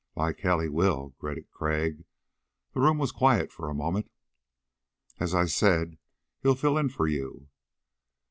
"Like hell he will," gritted Crag. The room was quiet for a moment. "As I said, he'll fill in for you."